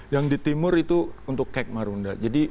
yang di timur itu untuk kek marunda